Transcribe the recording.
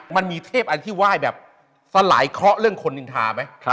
มันมีเทพอันที่ไหว้แบบสลายเคราะห์เรื่องคนนินทาไหม